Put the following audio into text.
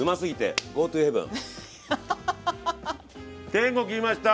天国いきました。